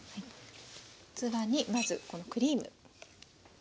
器にまずこのクリーム。